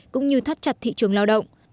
cũng như thắt chặt thị trường lao động